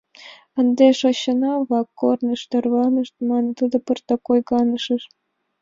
— Ынде шочшына-влак корныш тарванышт, — манеш тудо пыртак ойганышын.